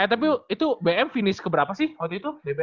tapi itu bm finish keberapa sih waktu itu